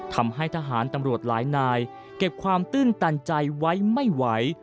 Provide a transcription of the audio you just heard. ทำให้ทหารตำรวจหลายนายเก็บความตื้นตันใจไว้ไม่ไหว